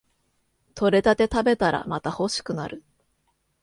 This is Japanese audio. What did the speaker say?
採れたて食べたらまた欲しくなる